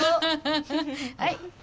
はい。